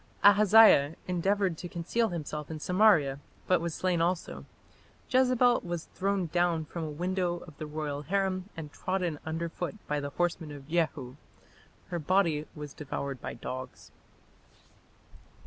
Ahaziah endeavoured to conceal himself in Samaria, but was slain also. Jezebel was thrown down from a window of the royal harem and trodden under foot by the horsemen of Jehu; her body was devoured by dogs.